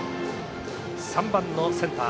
３番センター